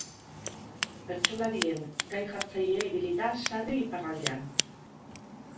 Bertsolarien gai-jartzaile ibili da sarri iparraldean.